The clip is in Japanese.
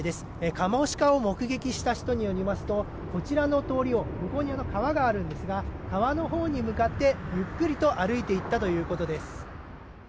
カモシカを目撃した人によりますと、こちらの通りを向こうに川があるんですが、川のほうに向かってゆっくりと歩いていったということです。